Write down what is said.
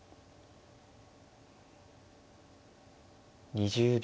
２０秒。